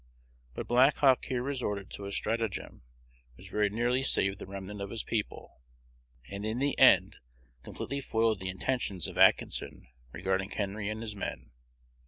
But Black Hawk here resorted to a stratagem which very nearly saved the remnant of his people, and in the end completely foiled the intentions of Atkinson regarding Henry and his men.